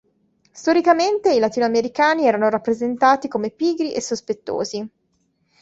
Storicamente, i latinoamericani erano rappresentati come pigri e sospettosi.